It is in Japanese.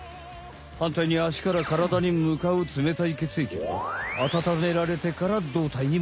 はんたいにあしからからだにむかうつめたい血液はあたためられてからどうたいにもどるんだ！